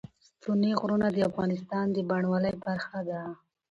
ستوني غرونه د افغانستان د بڼوالۍ برخه ده.